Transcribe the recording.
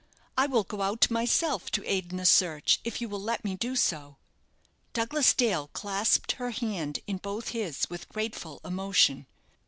I will go out myself to aid in the search, if you will let me do so." Douglas Dale clasped her hand in both his with grateful emotion.